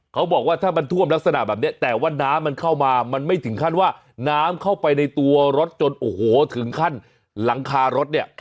เขาบอกว่าถ้ามันท่วมลักษณะแบบนี้แต่ว่าน้ำมันเข้ามามันไม่ถึงขั้นว่าน้ำเข้าไปในตัวรถจนโอ้โหถึงขั้นหลังคารถเนี่ย